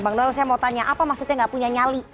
bang noel saya mau tanya apa maksudnya gak punya nyali